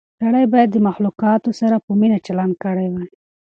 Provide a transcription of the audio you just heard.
سړی باید د مخلوقاتو سره په مینه چلند کړی وای.